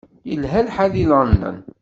Yelha lḥal deg London.